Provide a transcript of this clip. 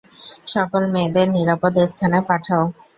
সকল মেয়েদের নিরাপদ স্থানে পাঠাও।